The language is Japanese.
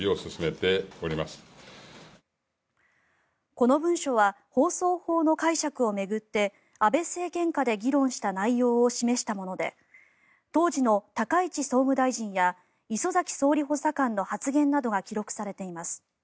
この文書は放送法の解釈を巡って安倍政権下で議論した内容を示したもので当時の高市総務大臣や礒崎総理補佐官の発言などが記録されています。